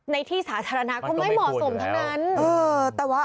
ในที่สาธารณะก็ไม่เหมาะสมทั้งนั้น